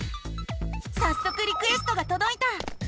さっそくリクエストがとどいた！